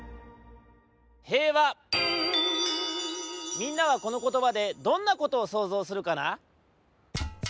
みんなはこのことばでどんなことをそうぞうするかな？